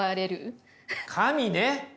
神ね！